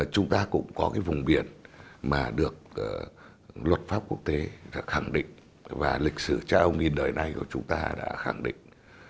chúng ta cũng có cái vùng biển mà được luật pháp quốc tế đã khẳng định và lịch sử trao nghìn đời này của chúng ta đã khẳng định